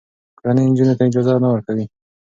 کورنۍ نجونو ته اجازه نه ورکوي.